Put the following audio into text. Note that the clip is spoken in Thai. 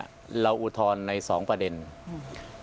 อันดับที่สุดท้าย